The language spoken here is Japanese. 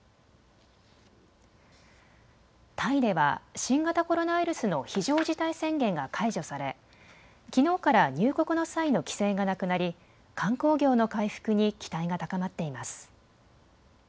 タイでは新型コロナウイルスの非常事態宣言が解除され、きのうから入国の際の規制がなくなり、観光業の回復に期待が高まっています。